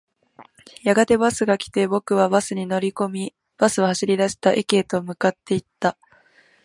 やがてバスが来て、僕はバスに乗り込み、バスは走り出した。駅へと向かっていった。